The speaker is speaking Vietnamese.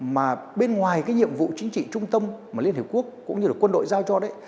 mà bên ngoài cái nhiệm vụ chính trị trung tâm mà liên hiệp quốc cũng như là quân đội giao cho đấy